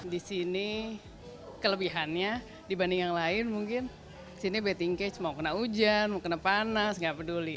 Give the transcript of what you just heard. di sini kelebihannya dibanding yang lain mungkin sini betting cage mau kena hujan mau kena panas nggak peduli